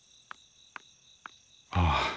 ああ。